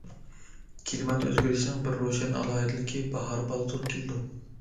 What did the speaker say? كىلىمات ئۆزگىرىشىنىڭ بىر روشەن ئالاھىدىلىكى باھار بالدۇر كېلىدۇ.